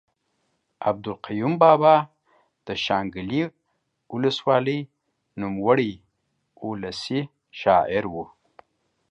عبدالقیوم بابا د شانګلې اولس والۍ نوموړے اولسي شاعر ؤ